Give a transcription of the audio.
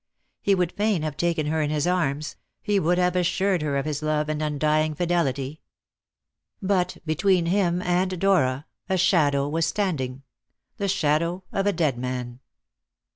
He would fain have taken her in his arms; he would have assured her of his love and undying fidelity. But between him and Dora a shadow was standing the shadow of a dead man.